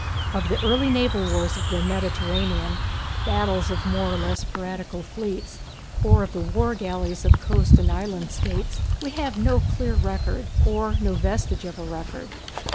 Of the early naval wars of the Mediterranean battles of more or less piratical fleets, or of the war galleys of coast and island states we have no clear record, or no vestige of a record.